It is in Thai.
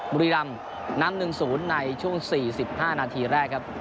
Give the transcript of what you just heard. บุรีรำนำ๑๐ในช่วง๔๕นาทีแรกครับ